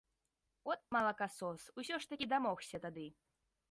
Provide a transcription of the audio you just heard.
От, малакасос, усё ж такі дамогся тады!